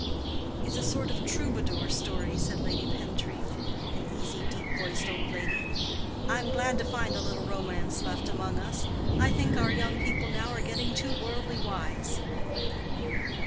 "It's a sort of troubadour story," said Lady Pentreath, an easy, deep voiced old lady; "I'm glad to find a little romance left among us. I think our young people now are getting too worldly wise."